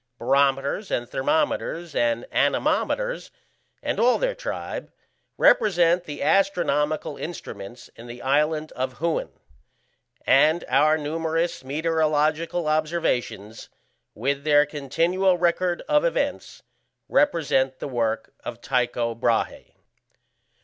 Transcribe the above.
Barometers and thermometers and anemometers, and all their tribe, represent the astronomical instruments in the island of Huen; and our numerous meteorological observatories, with their continual record of events, represent the work of Tycho Brahé.